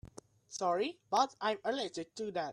Sorry but I'm allergic to that.